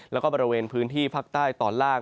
แล้วก็บริเวณพื้นที่ภาคใต้ตอนล่าง